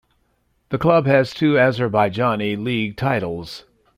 The club has two Azerbaijani league titles.